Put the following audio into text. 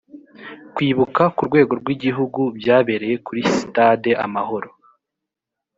kwibuka ku rwego rw igihugu byabereye kuri stade amahoro